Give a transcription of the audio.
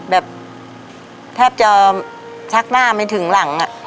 แบบแทบจะชักหน้าไม่ถึงหลัง